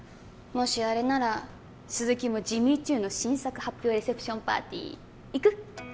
もしあれなら鈴木もジミーチュウの新作発表レセプションパーティー行く？